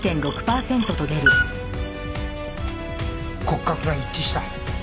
骨格が一致した。